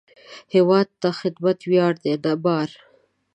هیواد ته خدمت ویاړ دی، نه بار